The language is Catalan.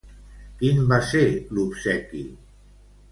Quin va ser l'obsequi?